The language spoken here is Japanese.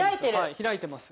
開いてます。